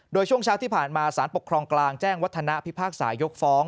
โดยช่วงเช้าที่ผ่านมาสารปกครองกลางแจ้งวัฒนาพิพากษายกฟ้อง